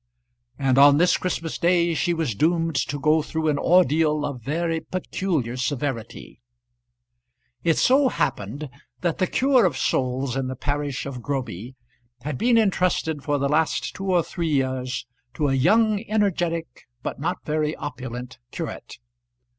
And on this Christmas day she was doomed to go through an ordeal of very peculiar severity. It so happened that the cure of souls in the parish of Groby had been intrusted for the last two or three years to a young, energetic, but not very opulent curate.